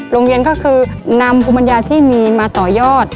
โรงเรียนก็คือนำภูมิปัญญาที่มีมาต่อยอด